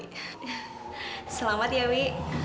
selamat ya wi